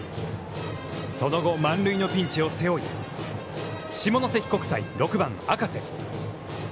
その後、満塁のピンチを背負い、下関国際、６番赤瀬。